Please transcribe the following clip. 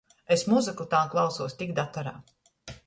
Es muzyku tān klausūs tik datorā.